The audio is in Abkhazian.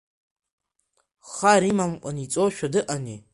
Хар имамкәан иҵошәа дыҟанеи?